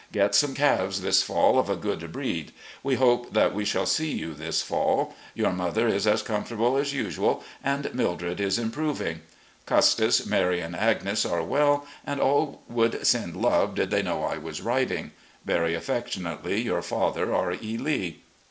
Get some calves this fall of a good breed. We hope that we shall see you this fall. Yotir mother is as comfortable as usual, and Mildred is im proving. Custis, Mary, and Agnes are well, and all would send love, did they know I was writing. " Very affectionately your father, R. E. Lee."